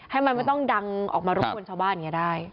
ให้มันไม่ต้องดังออกมารบกวนชาวบ้านอย่างนี้ได้